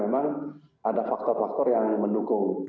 memang ada faktor faktor yang mendukung